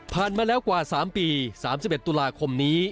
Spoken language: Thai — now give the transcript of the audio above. มาแล้วกว่า๓ปี๓๑ตุลาคมนี้